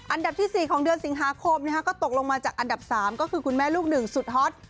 อันดับที่๔ของเดือนสิงหาคมก็ตกลงมาจากอันดับ๓ก็คือคุณแม่ลูกหนึ่งสุดฮอต